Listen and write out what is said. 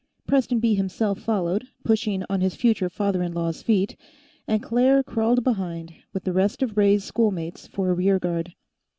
Prestonby himself followed, pushing on his future father in law's feet, and Claire crawled behind, with the rest of Ray's schoolmates for a rearguard.